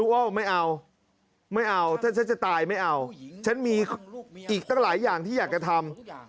โอ้ไม่เอาไม่เอาถ้าฉันจะตายไม่เอาฉันมีอีกตั้งหลายอย่างที่อยากจะทำ